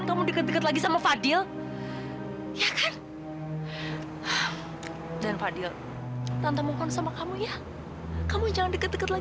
sampai jumpa di video selanjutnya